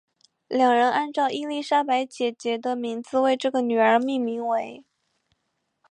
两人按照伊丽莎白姐姐的名字为这个女儿命名为。